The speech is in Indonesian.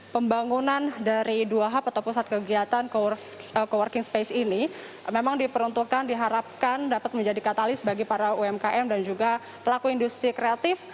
pembangunan dari dua hub atau pusat kegiatan co working space ini memang diperuntukkan diharapkan dapat menjadi katalis bagi para umkm dan juga pelaku industri kreatif